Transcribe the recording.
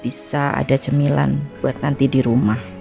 bisa ada cemilan buat nanti di rumah